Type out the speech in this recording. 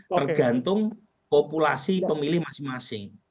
tergantung populasi pemilih masing masing